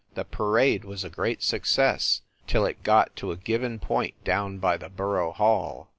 The parade was a great success till it got to a given point down by the Borough Hall.